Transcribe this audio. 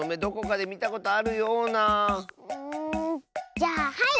じゃあはい！